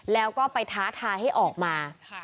แล้วก็ไปท้าทายให้ออกมา